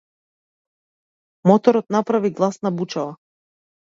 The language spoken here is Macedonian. Моторот направи гласна бучава.